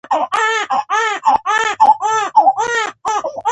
بېرته خزې ته راغلم او له څلورو موټروانانو سره کېناستم.